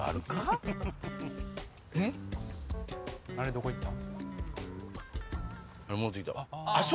どこ行った？